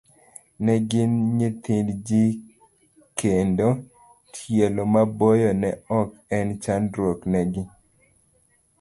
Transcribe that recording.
Ne gin nyithind ji kendo, tielo maboyo ne ok en chandruok ne gin.